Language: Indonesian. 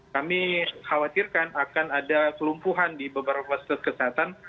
kami khawatirkan akan ada kelumpuhan di beberapa fasilitas kesehatan